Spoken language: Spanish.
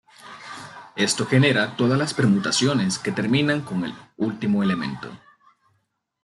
Esto genera todas las permutaciones que terminan con el último elemento.